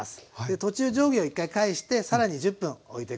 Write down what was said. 途中上下を１回返してさらに１０分おいて下さい。